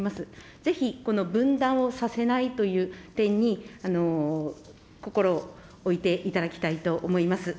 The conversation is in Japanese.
ぜひ、この分断をさせないという点に心を置いていただきたいと思います。